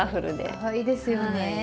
かわいいですよね。